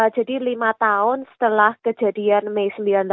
jadi lima tahun setelah kejadian may seribu sembilan ratus sembilan puluh delapan